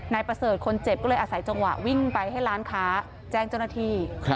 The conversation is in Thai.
นายประเสริฐคนเจ็บก็เลยอาศัยจังหวะวิ่งไปให้ร้านค้าแจ้งเจ้าหน้าที่